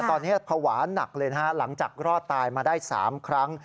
ตอนนี้ภาวะหนักเลยนะฮะหลังจากรอดตายมาได้๓ครั้ง